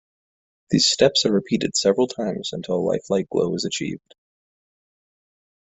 These steps are repeated several times until a lifelike glow is achieved.